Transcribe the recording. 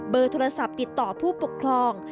เบอร์โทรศัพท์ติดต่อผู้ประคอง